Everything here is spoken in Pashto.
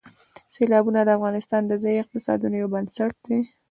سیلابونه د افغانستان د ځایي اقتصادونو یو بنسټ دی.